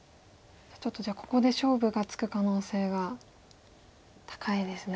ちょっとじゃあここで勝負がつく可能性が高いですね。